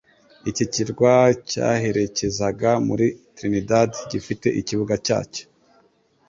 Iki kirwa cyaherekezaga muri Trinidad gifite ikibuga cyacyo